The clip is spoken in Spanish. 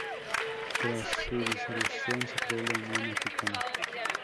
Tras su disolución, se creó la Unión Africana.